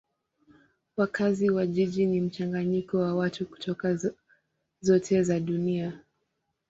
Wakazi wa jiji ni mchanganyiko wa watu kutoka zote za dunia.